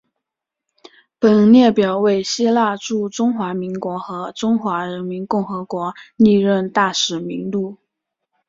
本列表为希腊驻中华民国和中华人民共和国历任大使名录。